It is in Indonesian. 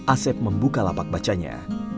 asep membuka lapak bacanya